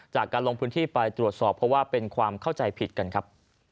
จากการลงพื้นที่ไปตรวจสอบเพราะว่าเป็นความเข้าใจผิดกันครับ